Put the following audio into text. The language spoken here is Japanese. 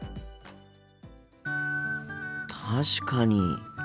確かに。